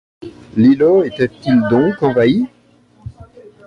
L’îlot était-il donc envahi?